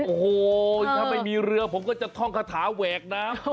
โอ้โหถ้าไม่มีเรือผมก็จะท่องคาถาแหวกน้ำ